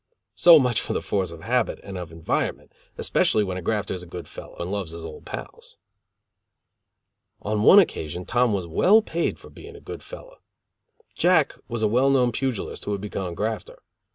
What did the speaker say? So much for the force of habit and of environment, especially when a grafter is a good fellow and loves his old pals. On one occasion Tom was well paid for being a good fellow. Jack was a well known pugilist who had become a grafter.